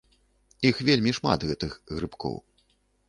Іх вельмі шмат, гэтых грыбкоў.